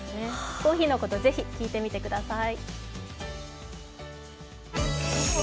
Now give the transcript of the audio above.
コーヒーのこと、ぜひ聞いてみてください。